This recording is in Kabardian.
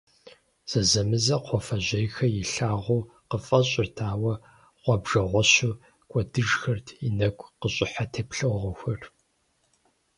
Зэзэмызэ кхъуафэжьейхэр илъагъуу къыфӏэщӏырт, ауэ гъуабжэгъуэщу кӏуэдыжхэрт и нэгу къыщӏыхьэ теплъэгъуэхэр.